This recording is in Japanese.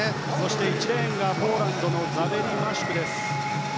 １レーンがポーランドのザベリ・マシュク。